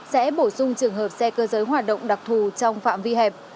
sẽ bổ sung trường hợp xe cơ giới hoạt động đặc thù trong phạm vi hẹp